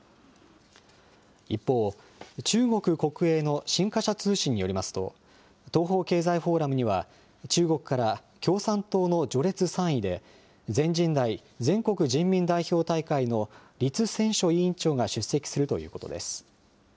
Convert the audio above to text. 一方、中国国営の新華社通信によりますと、東方経済フォーラムには、中国から共産党の序列３位で、全人代・全国人民代表大会の栗戦書委員長が出席するということです。